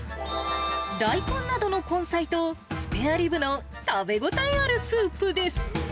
大根などの根菜とスペアリブの食べ応えあるスープです。